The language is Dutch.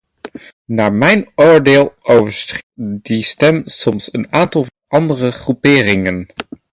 Naar mijn oordeel overschreeuwt die stem soms een aantal van de andere groeperingen.